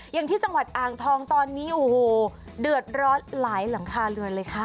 อย่างที่จังหวัดอ่างทองตอนนี้โอ้โหเดือดร้อนหลายหลังคาเรือนเลยค่ะ